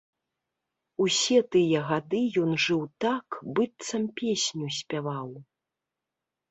Усе тыя гады ён жыў так, быццам песню спяваў.